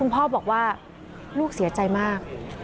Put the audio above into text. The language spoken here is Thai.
พ่อบอกว่าลูกเสียใจมาก